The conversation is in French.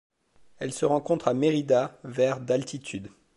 Elle se rencontre à Mérida vers d'altitude.